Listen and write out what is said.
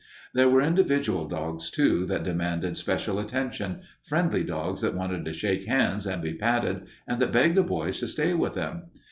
There were individual dogs, too, that demanded special attention, friendly dogs that wanted to shake hands and be patted and that begged the boys to stay with them.